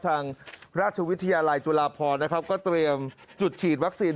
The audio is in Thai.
ทางราชวิทยาลัยจุฬาพรนะครับก็เตรียมจุดฉีดวัคซีน